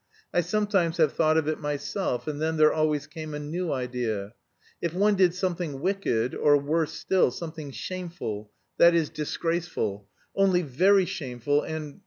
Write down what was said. "I sometimes have thought of it myself, and then there always came a new idea: if one did something wicked, or, worse still, something shameful, that is, disgraceful, only very shameful and...